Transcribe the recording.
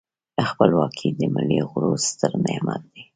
خپلواکي د ملي غرور ستر نعمت دی.